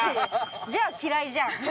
じゃあ嫌いじゃん。